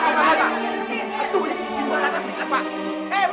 tidak enggak enggak